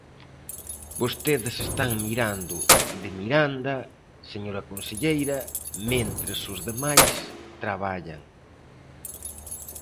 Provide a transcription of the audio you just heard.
Vostedes están mirando, de miranda, señora conselleira, mentres os demais traballan.